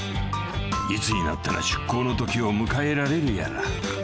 ［いつになったら出航のときを迎えられるやら］